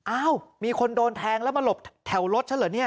อ้าวมีคนโดนแทงแล้วมาหลบแถวรถฉันเหรอเนี่ย